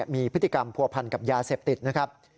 มีพฤติกรรมผัวพันกับยาเสพติดนะครับ